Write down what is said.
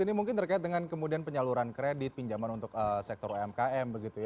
ini mungkin terkait dengan kemudian penyaluran kredit pinjaman untuk sektor umkm begitu ya